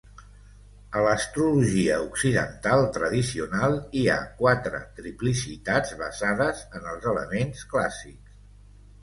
A l"Astrologia occidental tradicional, hi ha quatre triplicitats basades en els elements clàssics.